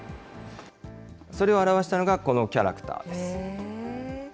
それを表したのが、このキャラクターです。